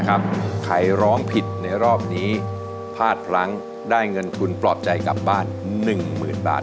ใครร้องผิดในรอบนี้พลาดพลั้งได้เงินทุนปลอบใจกลับบ้าน๑๐๐๐บาท